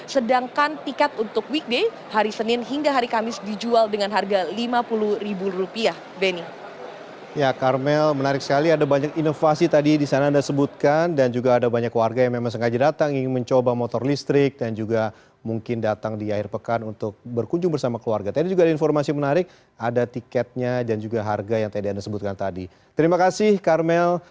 sedangkan tiket untuk weekday hari senin hingga hari kamis dijual dengan harga rp lima puluh